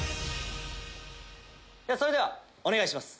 それではお願いします。